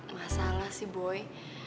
masalah sih boy